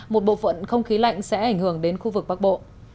một bộ phận không khí lạnh sẽ ảnh hưởng đến khu vực bắc bộ